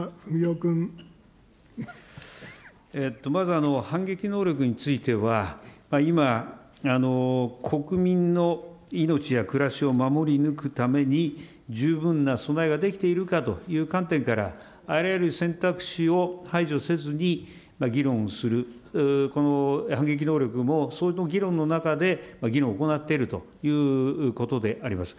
まず、反撃能力については、今、国民の命や暮らしを守り抜くために、十分な備えが出来ているかという観点からあらゆる選択肢を排除せずに議論する、この反撃能力もその議論の中で議論を行っているということでございます。